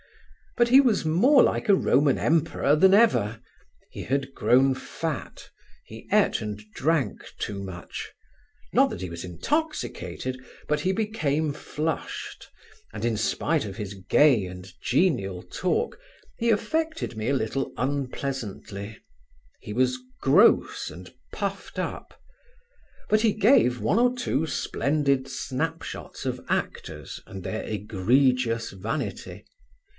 But he was more like a Roman Emperor than ever: he had grown fat: he ate and drank too much; not that he was intoxicated, but he became flushed, and in spite of his gay and genial talk he affected me a little unpleasantly; he was gross and puffed up. But he gave one or two splendid snapshots of actors and their egregious vanity.